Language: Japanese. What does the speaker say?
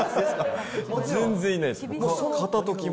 全然いないです、片時も。